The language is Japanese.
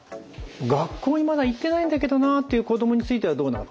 学校にまだ行ってないんだけどなっていう子どもについてはどうなのか見ていきます。